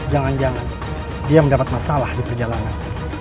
jangan jangan dia mendapat masalah di perjalanan